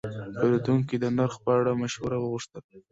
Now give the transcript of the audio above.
پیرودونکی د نرخ په اړه مشوره وغوښته.